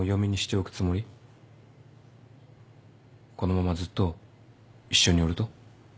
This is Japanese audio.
このままずっと一緒におると？